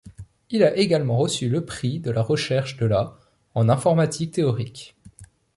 Il a également reçu le prix de la Recherche de la en informatique théorique.